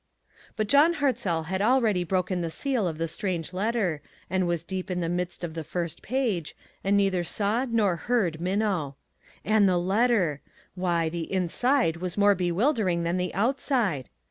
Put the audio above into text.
But John Ilartzell had already broken the seal of the strange letter, and was deep in the midst of the first page, and neither saw nor heard Minnow. And the letter ! Why, the inside was more bewildering than the outside.